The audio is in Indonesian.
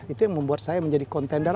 itu yang membuat saya menjadi kontender